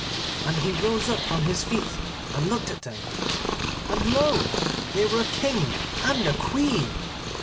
And he rose up from his feet, and looked at them, and lo! they were a King and a Queen.